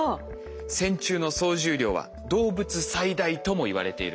線虫の総重量は動物最大ともいわれているんです。